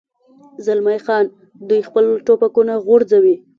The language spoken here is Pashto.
زلمی خان: دوی خپل ټوپکونه غورځوي.